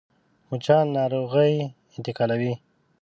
مچان ناروغي انتقالوي